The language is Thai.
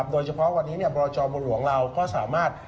โดยเฉพาะวันนี้บรอยจอว์บริหวังเราก็สามารถ